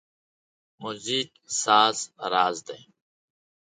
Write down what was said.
موزیک د ساز راز دی.